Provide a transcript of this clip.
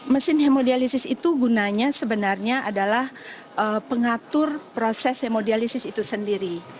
mesin hemodialisis itu gunanya sebenarnya adalah pengatur proses hemodialisis itu sendiri